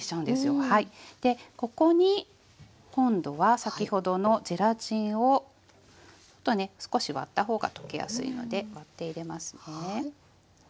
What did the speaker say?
でここに今度は先ほどのゼラチンをちょっとね少し割った方が溶けやすいので割って入れますね。